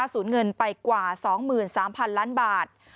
สูญเงินไปกว่า๒๓๐๐๐ล้านบาท